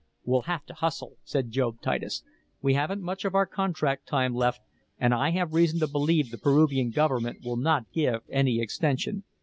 "We'll have to hustle," said Job Titus. "We haven't much of our contract time left, and I have reason to believe the Peruvian government will not give any extension.